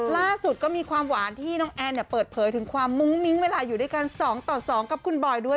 ล่าสุดก็มีความหวานที่น้องแอนเปิดเผยถึงความมุ้งมิ้งเวลาอยู่ด้วยกัน๒ต่อ๒กับคุณบอยด้วย